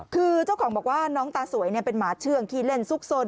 คือเจ้าของบอกว่าน้องตาสวยเป็นหมาเชื่องขี้เล่นซุกซน